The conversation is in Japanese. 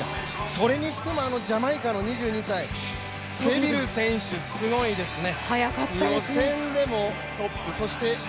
それにしても、あのジャマイカの２２歳、セビル選手すごいですね。